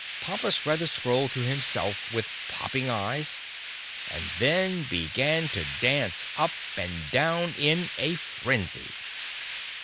Pompus read the scroll to himself with popping eyes and then began to dance up and down in a frenzy.